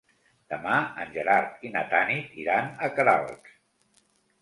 Demà en Gerard i na Tanit iran a Queralbs.